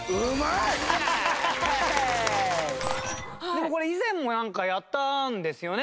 でもこれ以前もなんかやったんですよね。